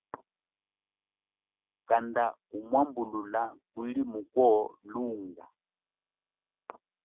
Kanda umwambulula kuli muko lunga.